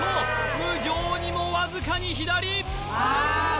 無情にもわずかに左あーっ